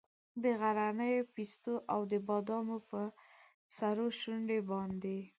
د غرنیو پیستو او د بادامو په سرو شونډو باندې